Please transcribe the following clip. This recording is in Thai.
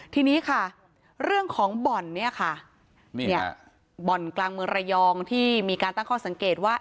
ทีนี้ค่ะเรื่องของบ่อนเนี่ยค่ะเนี่ยบ่อนกลางเมืองระยองที่มีการตั้งข้อสังเกตว่า